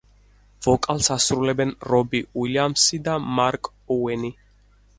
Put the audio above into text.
ვოკალს ასრულებენ რობი უილიამსი და მარკ ოუენი.